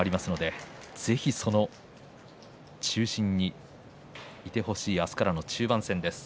ぜひ、その中心にいてほしい明日からの中盤戦です。